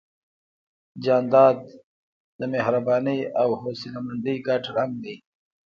جانداد د مهربانۍ او حوصلهمندۍ ګډ رنګ دی.